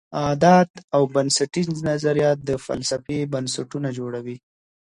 اعداد او بنسټیز نظریات د فلسفې بنسټونه جوړوي.